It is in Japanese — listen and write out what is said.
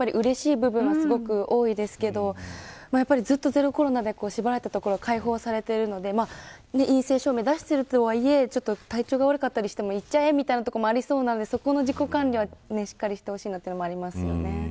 ちょっとずつ戻ってきてるなというのはうれしい部分も多いですけどやっぱりずっとゼロコロナで縛られていたころから開放されているので陰性証明を出してるとはいえ体調が悪かったりしても行っちゃえ、みたいなところもありそうなのでそこの自己管理はしっかりしてほしいなというのもありますね。